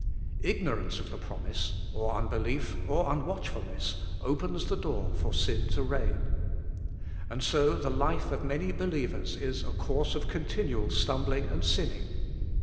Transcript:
Ignorance of the promise, or unbelief, or unwatchfulness, opens the door for sin to reign. And so the life of many 202 ABIDE IN CHRIST: believers is a course of continual stumbling and sinning.